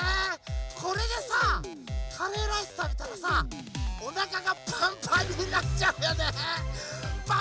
これでさカレーライスたべたらさおなかがパンパンになっちゃうよね！